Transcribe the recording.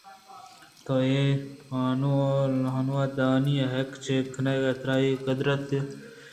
تو اے حانوادہانی ہلک ءَچے کنگائے؟ ترا اے قُدرت کیا داتگ کہ تواد ءَ ظاہر بہ بئے